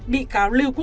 bị cáo lưu cút tình